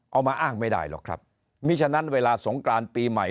เอามาอ้างไม่ได้หรอกครับมีฉะนั้นเวลาสงกรานปีใหม่